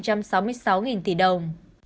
chiếm chín đồng